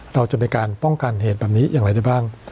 เราจะมีการป้องกันเหตุแบบนี้อย่างไรได้บ้าง